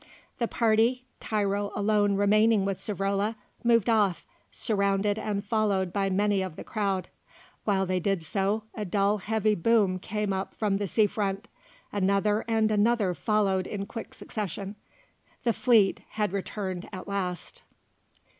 The party, Tiro alone remaining with Savrola, moved off, surrounded and followed by many of the crowd. While they did so a dull heavy boom came up from the sea front; another and another followed in quick succession. The fleet had returned at last.